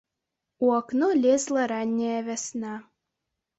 У акно лезла ранняя вясна.